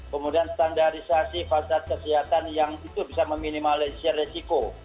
kemudian standarisasi fasilitas kesehatan yang itu bisa meminimalisir resiko